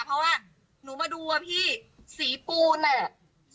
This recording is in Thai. เพราะว่าหนูมาดูอะพี่สีปูนอ่ะ